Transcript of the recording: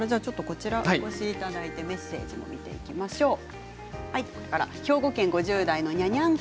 こちらにお越しいただいてメッセージも見ていきましょう。